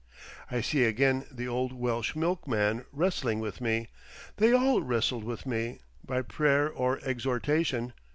I see again the old Welsh milkman "wrestling" with me, they all wrestled with me, by prayer or exhortation.